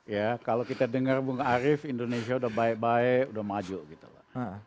ya kalau kita dengar bung arief indonesia udah baik baik udah maju gitu loh